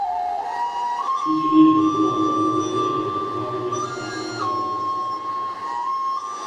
Fils unique de Claude Antoine Montagnier et de Marguerite Victorine Darlix.